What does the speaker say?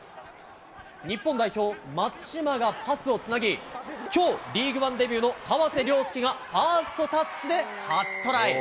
日本代表、松島がパスをつなぎ、きょう、リーグワンデビューの河瀬諒介がファーストタッチで初トライ。